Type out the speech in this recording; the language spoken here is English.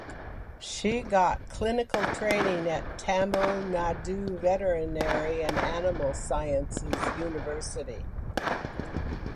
She got clinical training at Tamil Nadu Veterinary and Animal Sciences University.